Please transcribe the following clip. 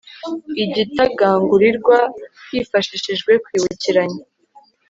igitagangurirwa hifashishijwe kwibukiranya